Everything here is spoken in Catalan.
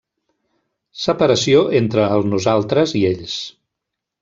Separació entre el nosaltres i ells.